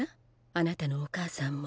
あなたのお母さんも。